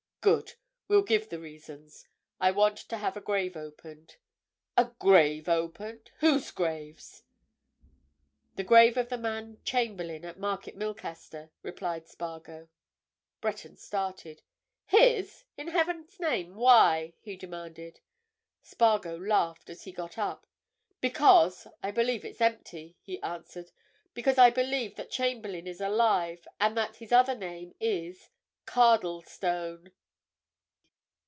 "Good! We'll give the reasons. I want to have a grave opened." "A grave opened! Whose grave?" "The grave of the man Chamberlayne at Market Milcaster," replied Spargo. Breton started. "His? In Heaven's name, why?" he demanded. Spargo laughed as he got up. "Because I believe it's empty," he answered. "Because I believe that Chamberlayne is alive, and that his other name is—Cardlestone!"